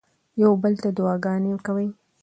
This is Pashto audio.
یو بل ته دعاګانې کوئ.